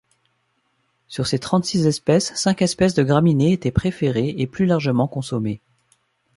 Sur ces trente-six espèces, cinq espèces de graminées étaient préférées et plus largement consommées.